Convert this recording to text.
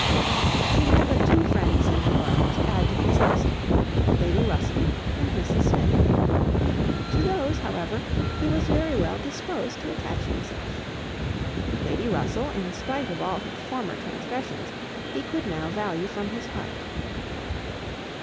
She had but two friends in the world to add to his list, Lady Russell and Mrs Smith. To those, however, he was very well disposed to attach himself. Lady Russell, in spite of all her former transgressions, he could now value from his heart.